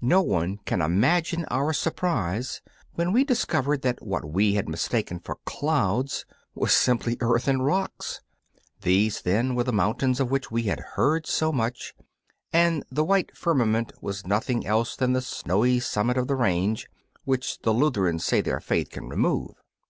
No one can imagine our surprise when we discovered that what we had mistaken for clouds was simply earth and rocks. These, then, were the mountains of which we had heard so much, and the white firmament was nothing else than the snowy summit of the range which the Lutherans say their faith can remove.